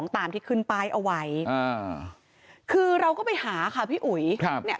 ตามที่ขึ้นป้ายเอาไว้คือเราก็ไปหาค่ะพี่อุ๋ย